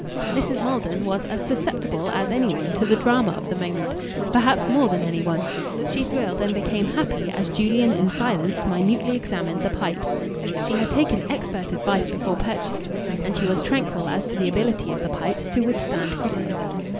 Mrs. Maldon was as susceptible as any one to the drama of the moment, perhaps more than any one. She thrilled and became happy as Julian in silence minutely examined the pipes. She had taken expert advice before purchasing, and she was tranquil as to the ability of the pipes to withstand criticism.